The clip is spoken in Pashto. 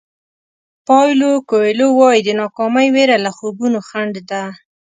پایلو کویلو وایي د ناکامۍ وېره له خوبونو خنډ ده.